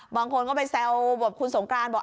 บางคนก็ไปแซวแบบคุณสงกรานบอก